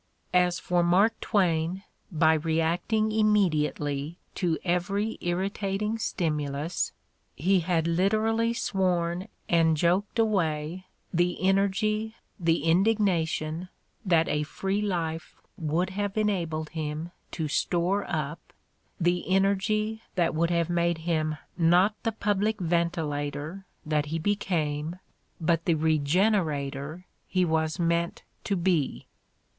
As for Mark Twain, by reacting immediately to every irritating stimulus he had literally sworn and joked away the energy, the indignation, that a free life would have enabled him to store up, the energy that would have made him not the public ventilator that h» became but the regenerator he was meant to be.